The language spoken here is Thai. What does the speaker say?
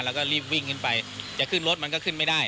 แล้วก็รีบวิ่งขึ้นไปจะขึ้นรถมันก็ขึ้นไม่ได้